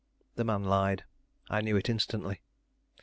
The man lied; I knew it instantly.